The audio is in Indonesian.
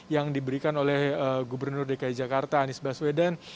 yang diberikan oleh gubernur dki jakarta anies baswedan